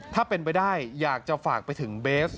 ถ้าเป็นไปได้อยากจะฝากไปถึงเบส